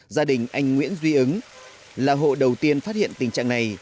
gia đình anh nguyễn duy ứng là hộ đầu tiên phát hiện tình trạng này